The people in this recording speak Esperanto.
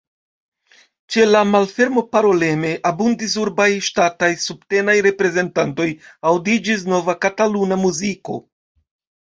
Ĉe la malfermo paroleme abundis urbaj, ŝtataj, subtenaj reprezentantoj, aŭdiĝis nova kataluna muziko.